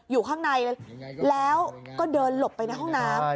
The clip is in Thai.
อยู่ข้างในแล้วก็เดินหลบไปในห้องน้ำ